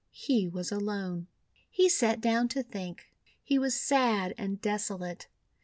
He was alone. He sat down to think. He was sad and desolate.